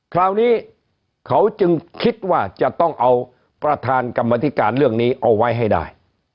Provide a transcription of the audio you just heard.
คราวนี้เขาจึงคิดว่าจะต้องเอาประธานกรรมธิการเรื่องนี้เอาไว้ให้ได้